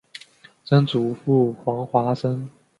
曾祖父黄华生。